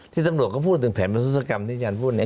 ที่ตำรวจเขาพูดถึงแผนประทุศกรรมที่อาจารย์พูดเนี่ย